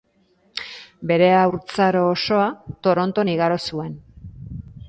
Bere haurtzaro osoa Toronton igaro zuen.